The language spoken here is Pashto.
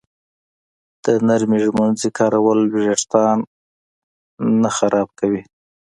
د نرمې ږمنځې کارول وېښتان خراب نه کوي.